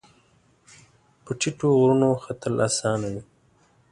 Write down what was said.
په ټیټو غرونو ختل اسان وي